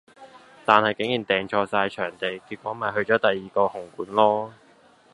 但系居然訂錯曬場地，結果咪去咗第二個紅館囉